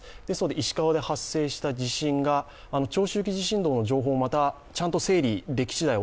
石川で発生した地震が、長周期地震動の情報、ちゃんと整理できしだい